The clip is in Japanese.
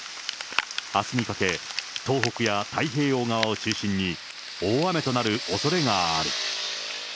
あすにかけ、東北や太平洋側を中心に、大雨となるおそれがある。